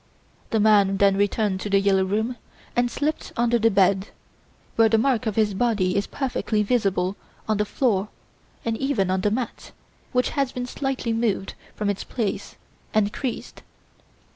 The man then returned to "The Yellow Room" and slipped under the bed, where the mark of his body is perfectly visible on the floor and even on the mat, which has been slightly moved from its place and creased.